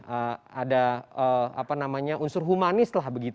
ini ada apa namanya unsur humanis lah